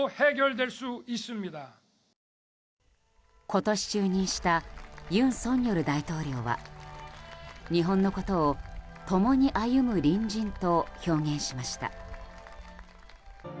今年、就任した尹錫悦大統領は日本のことを共に歩む隣人と表現しました。